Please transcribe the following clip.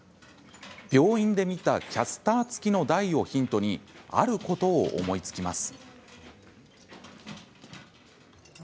病院で見たキャスター付きの台をヒントにあることを思いつきます。